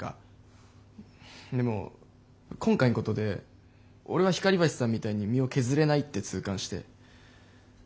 でも今回んことで俺は光橋さんみたいに身を削れないって痛感して。